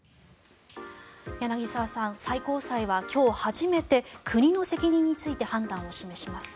柳澤さん、最高裁は今日初めて国の責任について判断を示します。